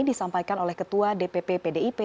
disampaikan oleh ketua dpp pdip